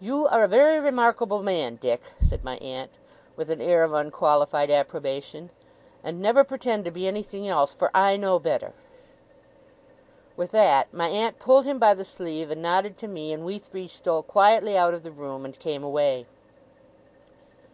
'You are a very remarkable man, Dick!' said my aunt, with an air of unqualified approbation; 'and never pretend to be anything else, for I know better!' With that, my aunt pulled him by the sleeve, and nodded to me; and we three stole quietly out of the room, and came away.